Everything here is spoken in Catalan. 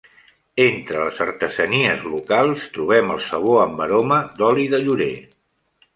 Entre les artesanies locals trobem el sabó amb aroma d'oli de llorer.